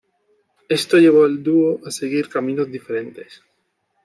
Esto llevó al dúo a seguir caminos diferentes.